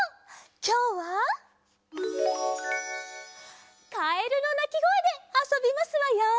きょうはカエルのなきごえであそびますわよ。